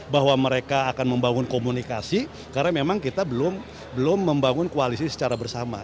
bahwa mereka akan membangun komunikasi karena memang kita belum membangun koalisi secara bersama